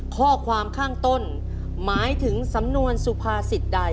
ข้อความข้างต้นหมายถึงสำนวนสุภาษิตใด